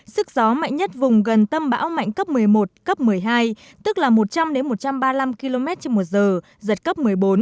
sức gió mạnh nhất vùng gần tâm bão mạnh cấp một mươi một cấp một mươi hai tức là một trăm linh một trăm ba mươi năm km trên một giờ giật cấp một mươi bốn